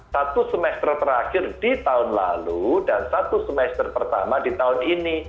satu semester terakhir di tahun lalu dan satu semester pertama di tahun ini